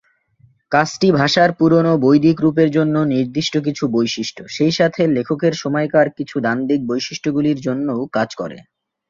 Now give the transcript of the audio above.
কাজটি ভাষার পুরোনো বৈদিক রূপের জন্য নির্দিষ্ট কিছু বৈশিষ্ট্য, সেইসাথে লেখকের সময়কার কিছু দ্বান্দ্বিক বৈশিষ্ট্যগুলির জন্যও কাজ করে।